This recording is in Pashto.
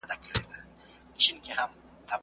سپوږمۍ باید د ده پیغام خپل یار ته ورسوي.